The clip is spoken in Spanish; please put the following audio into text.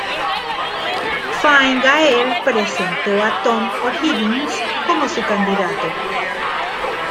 Fine Gael presentó a Tom O'Higgins como su candidato.